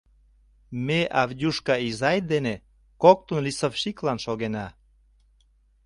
Ме Авдюшка изай дене коктын лисовщиклан шогена.